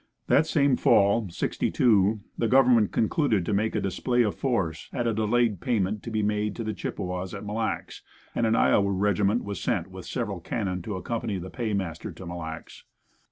That same fall, '62, the Government concluded to make a display of force at a delayed payment to be made to the Chippewas at Mille Lacs and an Iowa regiment was sent with several cannon to accompany the paymaster to Mille Lacs.